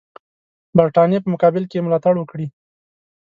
برټانیې په مقابل کې یې ملاتړ وکړي.